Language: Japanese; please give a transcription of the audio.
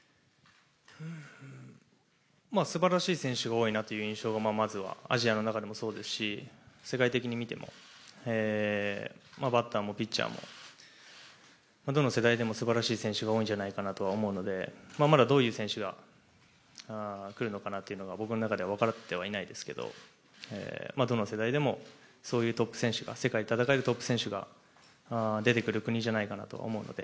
すばらしい選手が多いなという印象が、アジアの中でもそうですし世界的に見てもバッターもピッチャーもどの世代でもすばらしい選手が多いんじゃないかなと思うので、まだどういう選手が来るのかなというのは僕の中では分かってはいないですけどどの世代でもそういう世界で戦えるトップ選手が出てくる国だと思っているので